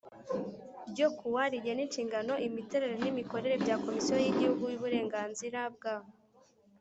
ryo ku wa rigena inshingano imiterere n imikorere bya Komisiyo y Igihugu y Uburenganzira bwa